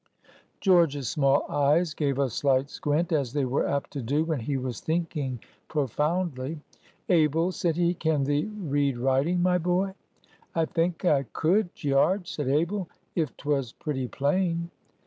George's small eyes gave a slight squint, as they were apt to do when he was thinking profoundly. "Abel," said he, "can thee read writing, my boy?" "I think I could, Gearge," said Abel, "if 'twas pretty plain."